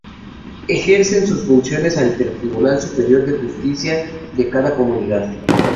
Ejercen sus funciones ante el Tribunal Superior de Justicia de cada comunidad.